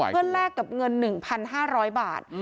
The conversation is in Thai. เพื่อแลกกับเงิน๑๕๐๐บาท